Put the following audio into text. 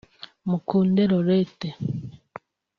Mukunde Laurette